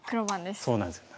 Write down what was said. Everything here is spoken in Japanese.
そうなんですよ。